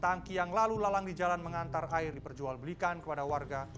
tangki yang lalu lalang di jalan mengantar air diperjual belikan kepada warga